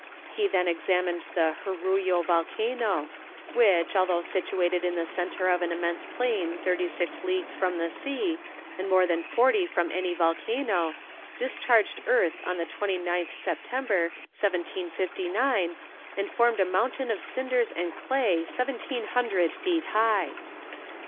He then examined the Jerullo volcano, which, although situated in the centre of an immense plain thirty six leagues from the sea, and more than forty from any volcano, discharged earth on the 29th September, 1759, and formed a mountain of cinders and clay 1700 feet high.